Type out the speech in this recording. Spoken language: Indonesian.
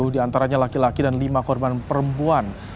sepuluh diantaranya laki laki dan lima korban perempuan